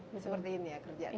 oke seperti ini ya kerjaan